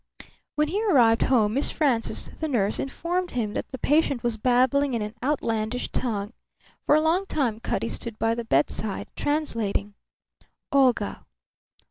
When he arrived home Miss Frances, the nurse, informed him that the patient was babbling in an outlandish tongue. For a long time Cutty stood by the bedside, translating. "Olga!...